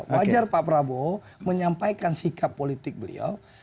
wajar pak prabowo menyampaikan sikap politik beliau